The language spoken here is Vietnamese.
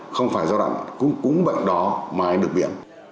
không phải giai đoạn cúng bệnh đó mà anh được miễn